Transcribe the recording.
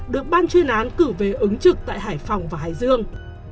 được ban chuyên án cử về ứng trực tại hải phòng và hải dương